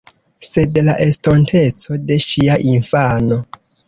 Sed la estonteco de ŝia infano.